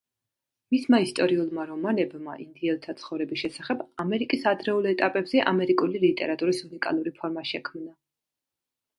მისმა ისტორიულმა რომანებმა ინდიელთა ცხოვრების შესახებ ამერიკის ადრეულ ეტაპებზე ამერიკული ლიტერატურის უნიკალური ფორმა შექმნა.